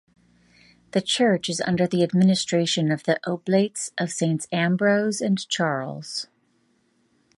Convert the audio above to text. The church is under the administration of the Oblates of Saints Ambrose and Charles.